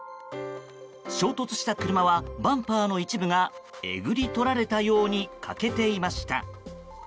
衝突した車はバンパーの一部がえぐり取られたように欠けていました。